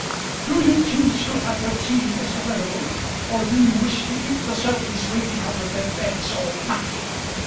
Do you choose to have your tea, Mr. Furnival? or do you wish to keep the servants waiting out of their beds all night?"